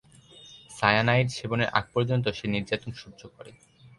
Cyanide সেবনের আগ পর্যন্ত সে নির্যাতন সহ্য করে।